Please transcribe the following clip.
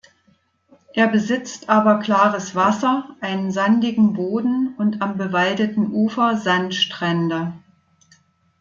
Er besitzt aber klares Wasser, einen sandigen Boden und am bewaldeten Ufer Sandstrände.